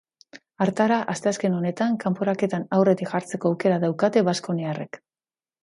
Hartara, asteazken honetan kanporaketan aurretik jartzeko aukera daukate baskoniarrek.